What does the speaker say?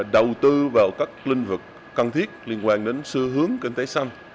đầu tư vào các linh vực cần thiết liên quan đến xu hướng kinh tế xanh